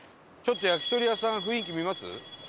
焼き鳥屋さん雰囲気見ます？